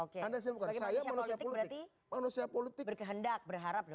sebagai manusia politik berarti berkehendak berharap dong